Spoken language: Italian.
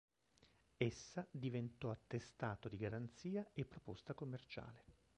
Essa diventò attestato di garanzia e proposta commerciale.